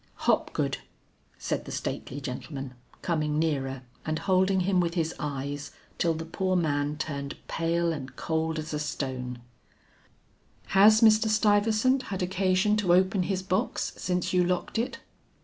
"Hopgood," said the stately gentleman, coming nearer and holding him with his eyes till the poor man turned pale and cold as a stone, "has Mr. Stuyvesant had occasion to open his box since you locked it?"